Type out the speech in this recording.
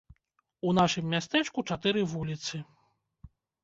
У нашым мястэчку чатыры вуліцы.